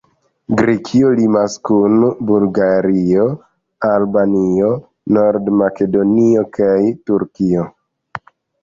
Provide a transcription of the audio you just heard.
Grekio limas kun Bulgario, Albanio, Nord-Makedonio kaj Turkio.